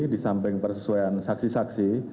di samping persesuaian saksi saksi